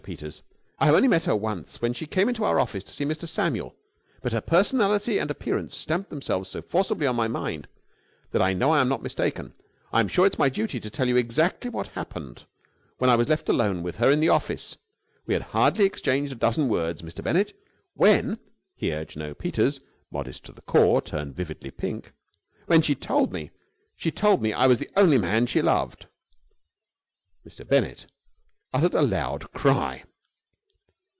Peters. "I have only met her once, when she came into our office to see Mr. Samuel, but her personality and appearance stamped themselves so forcibly on my mind, that I know I am not mistaken. I am sure it is my duty to tell you exactly what happened when I was left alone with her in the office. We had hardly exchanged a dozen words, Mr. Bennett, when " here Jno. Peters, modest to the core, turned vividly pink, "when she told me she told me that I was the only man she loved!" Mr. Bennett uttered a loud cry.